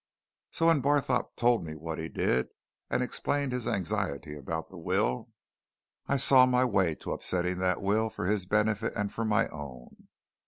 So when Barthorpe told me what he did, and explained his anxiety about the will, I saw my way to upsetting that will, for his benefit and for my own.